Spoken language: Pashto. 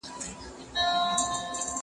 کېدای سي تکړښت ستړی وي!!